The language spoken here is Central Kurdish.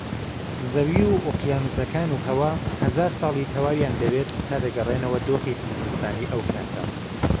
زەوی و ئۆقیانووسەکان و هەوا هەزار ساڵی تەواویان دەوێت تا دەگەڕێنەوە دۆخی تەندروستانەی ئەوکاتە